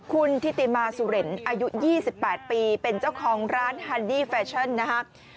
คุณทิติมาสุเรนอายุ๒๘ปีเป็นเจ้าของร้านฮันดี้แฟชั่นนะครับ